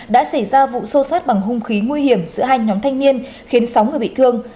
đã xảy ra vụ xô xát bằng hung khí nguy hiểm giữa hai nhóm thanh niên khiến sáu người bị thương